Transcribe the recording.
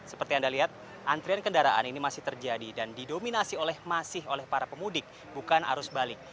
seperti anda lihat antrian kendaraan ini masih terjadi dan didominasi oleh masih oleh para pemudik bukan arus balik